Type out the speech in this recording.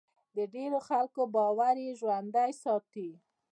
د ډېرو خلکو باور یې ژوندی ساتي.